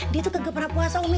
dia tuh kegemaran puasa umi